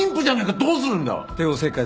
どうするんだ！？